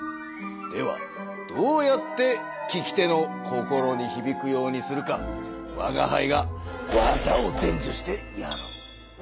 ではどうやって聞き手の心にひびくようにするかわがはいが技をでんじゅしてやろう。